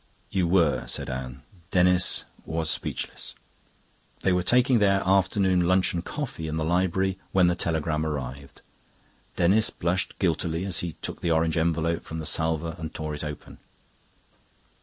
"You were," said Anne. Denis was speechless. They were taking their after luncheon coffee in the library when the telegram arrived. Denis blushed guiltily as he took the orange envelope from the salver and tore it open.